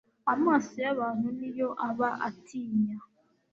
amaso y'abantu ni yo aba atinya